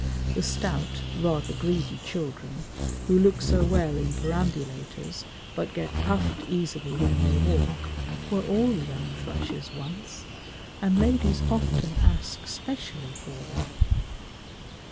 The stout, rather greedy children, who look so well in perambulators but get puffed easily when they walk, were all young thrushes once, and ladies often ask specially for them.